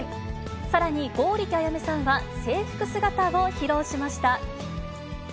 さらに剛力彩芽さんは制服姿を披露しました。